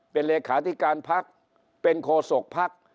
เป็นเลขาธิการพักเป็นโคศกภักดิ์